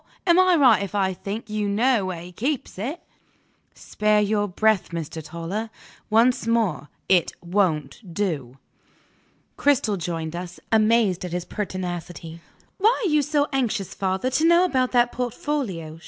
Am I right if I think you know where he keeps it?" "Spare your breath, Mr. Toller. Once more, it won't do!" Cristel joined us, amazed at his pertinacity. "Why are you so anxious, father, to know about that portfolio?"